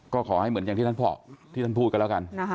ก็ขอให้เหมือนอย่างที่ท่านบอกที่ท่านพูดกันแล้วกัน